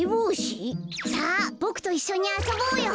さあボクといっしょにあそぼうよ。